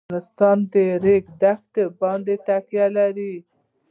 افغانستان په د ریګ دښتې باندې تکیه لري.